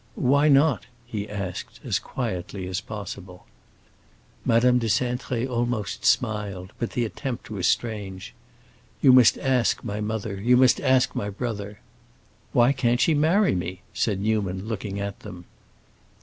"Why not?" he asked, as quietly as possible. Madame de Cintré almost smiled, but the attempt was strange. "You must ask my mother, you must ask my brother." "Why can't she marry me?" said Newman, looking at them.